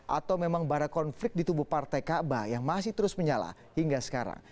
atau memang barat konflik di tubuh partai ka'bah yang masih terus menyala hingga sekarang